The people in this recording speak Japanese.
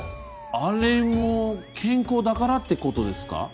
あれも健康だからってことですか？